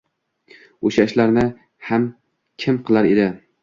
O‘sha ishlarni ham kim qilar edi?